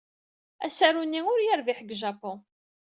Asaru-nni ur yerbiḥ deg Japun.